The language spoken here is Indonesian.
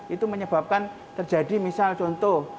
itu menyebabkan terjadi misal contoh